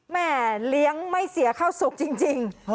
แม่เลี้ยงไม่เสียเข้าสุขจริง